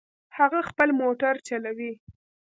هغه خپل موټر چلوي